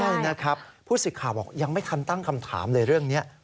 ใช่นะครับผู้สื่อข่าวบอกยังไม่ทันตั้งคำถามเลยเรื่องนี้